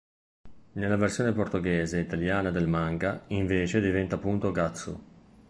Nella versione portoghese e italiana del manga, invece, diventa appunto Gatsu.